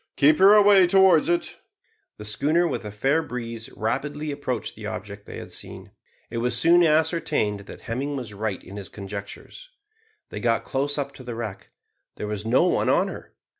Keep her away towards it." The schooner, with a fair breeze, rapidly approached the object they had seen. It was soon ascertained that Hemming was right in his conjectures. They got close up to the wreck. There was no one on her!